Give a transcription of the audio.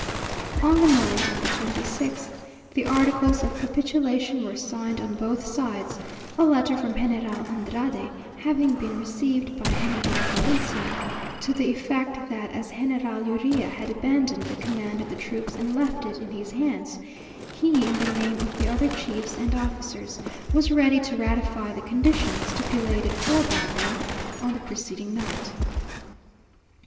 On the night of the twenty sixth, the articles of capitulation were signed on both sides; a letter from General Andrade having been received by General Valencia, to the effect that as General Urrea had abandoned the command of the troops and left it in his hands, he, in the name of the other chiefs and officers, was ready to ratify the conditions stipulated for by them on the preceding night.